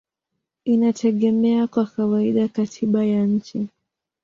inategemea kwa kawaida katiba ya nchi.